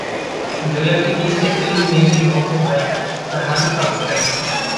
जोया की तीसरी फिल्म में भी होंगे भाई फरहान अख्तर